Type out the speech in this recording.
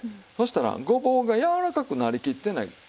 そしたらごぼうがやわらかくなりきってない